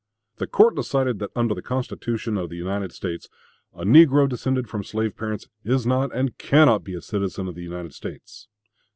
The court decided that under the Constitution of the United States, a negro descended from slave parents is not and cannot be a citizen of the United States.